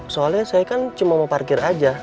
soalnya saya kan cuma mau parkir aja